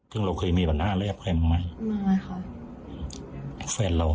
เราก็เคยมีบรรดาหรือแฟนมั้ยแฟนเราเหรอ